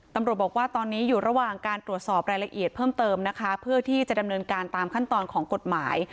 ตำรวจบอกว่าตอนนี้อยู่ระหว่างการตรวจสอบรายละเอียดเพิ่มเติมนะคะเพื่อที่จะดำเนินการตามขั้นตอนของกฎหมาย